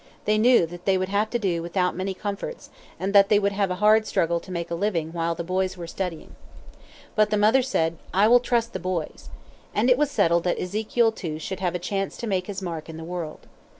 They knew that they would have to do without many comforts, and that they would have a hard struggle to make a living while the boys were studying. But the mother said, "I will trust the boys." And it was settled that Ezekiel, too, should have a chance to make his mark in the world.